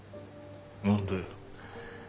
何だよ。